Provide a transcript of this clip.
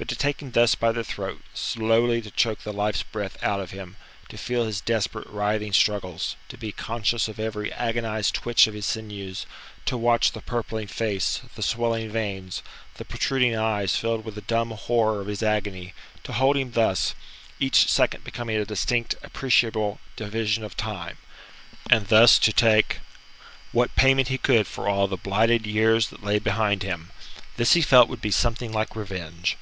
But to take him thus by the throat; slowly to choke the life's breath out of him; to feel his desperate, writhing struggles; to be conscious of every agonized twitch of his sinews, to watch the purpling face, the swelling veins, the protruding eyes filled with the dumb horror of his agony; to hold him thus each second becoming a distinct, appreciable division of time and thus to take what payment he could for all the blighted years that lay behind him this he felt would be something like revenge.